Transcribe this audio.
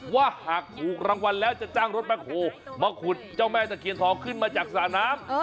ว่าหากถูกรางวัลแล้วจะจ้างรถแบ็คโฮมาขุดเจ้าแม่ตะเคียนทองขึ้นมาจากสระน้ำ